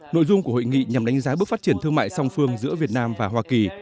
nội dung của hội nghị nhằm đánh giá bước phát triển thương mại song phương giữa việt nam và hoa kỳ